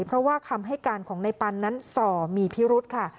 เพราะว่าคำให้การของในปันนั้นส่อมีพิรุธค่ะ